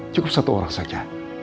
cukup satu orang saja